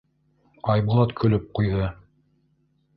Айбулат көлөп ҡуйҙы.